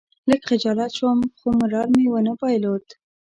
لږ خجالت شوم خو مورال مې ونه بایلود.